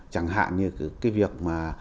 chẳng hạn như việc